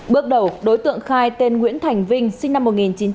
bước đầu đối tượng khai tên nguyễn thành vinh sinh năm một nghìn chín trăm tám mươi